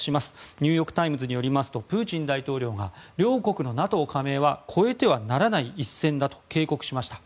ニューヨーク・タイムズによりますと、プーチン大統領が両国のＮＡＴＯ加盟は越えてはならない一線だと警告しました。